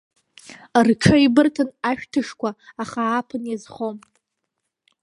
Рҽеибырҭан ашәҭышқәа, аха ааԥын иазхом.